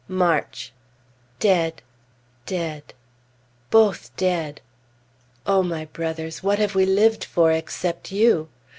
March. Dead! Dead! Both dead! O my brothers! What have we lived for except you?